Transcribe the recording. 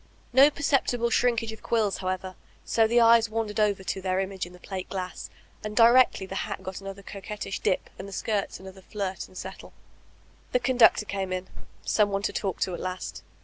No perceptible shrinkage of quills^ however^ so the eyes wandered over to their image in the plate glass, and directly the hat got another coquettish dip, and the skirts another flirt and settle The conductor came in: some one to talk to at last!